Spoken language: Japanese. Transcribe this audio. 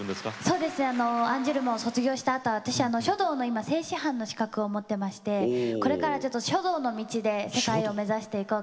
そうですねアンジュルムを卒業したあと私書道の正師範の資格を持ってましてこれから書道の道で世界を目指していこうかなと思ってます。